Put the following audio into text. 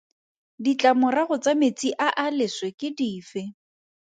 Ditlamorago tsa metsi a a leswe ke dife?